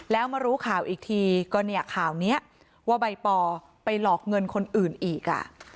แล้วมารู้ข่าวอีกทีก็เนี่ยข่าวนี้ว่าใบปอไปหลอกเงินคนอื่นอีก